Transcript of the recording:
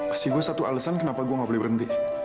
kasih gue satu alesan kenapa gue nggak boleh berhenti